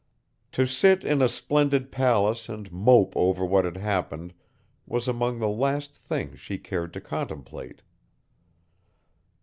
To sit in a splendid palace and mope over what had happened was among the last things she cared to contemplate.